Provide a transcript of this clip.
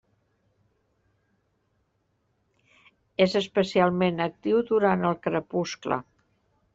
És especialment actiu durant el crepuscle.